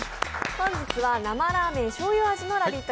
本日は生ラーメン醤油味のラヴィット！